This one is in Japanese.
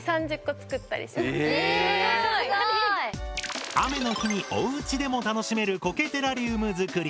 すごい！雨の日におうちでも楽しめるコケテラリウム作り。